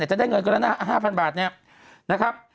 จะได้เงินเกินละ๕๐๐๐บาทนะครับ